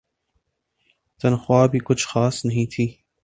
تنخواہ بھی کچھ خاص نہیں تھی ۔